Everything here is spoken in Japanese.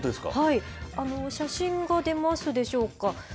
写真が出ますでしょうか。